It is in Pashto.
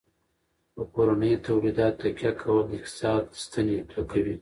په کورنیو تولیداتو تکیه کول د اقتصاد ستنې کلکوي.